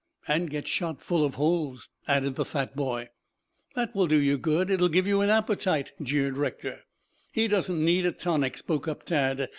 "And get shot full of holes," added the fat boy. "That will do you good. It will give you an appetite," jeered Rector. "He doesn't need a tonic," spoke up Tad.